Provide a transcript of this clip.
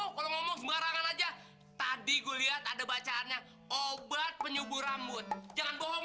oh kalau ngomong sembarangan aja tadi gue lihat ada bacaannya obat penyubur rambut jangan bohong